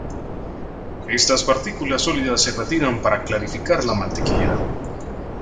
Estas partículas sólidas se retiran para clarificar la mantequilla.